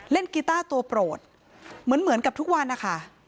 กีต้าตัวโปรดเหมือนกับทุกวันนะคะ